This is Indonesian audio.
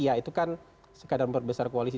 ya itu kan sekadar berbesar koalisi